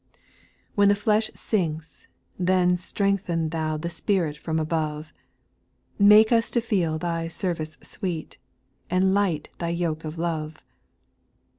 When the flesh sinks, then strengthen Thou The spirit from above ; Make us to feel Thy service sweet, And light Thy yoke of love.